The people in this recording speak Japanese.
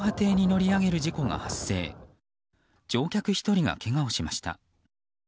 乗客１人がけがをしました。